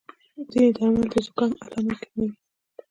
ځینې درمل د زکام علامې کموي.